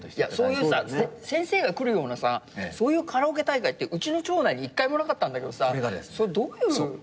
そういう先生が来るようなそういうカラオケ大会ってうちの町内に一回もなかったんだけどさそれどういう？